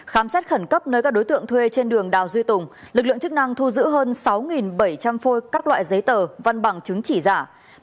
khám xét khẩn cấp nơi các đối tượng thuê trên đường đào duy tùng lực lượng chức năng thu giữ hơn sáu bảy trăm linh phôi các loại giấy tờ văn bằng chứng chỉ giả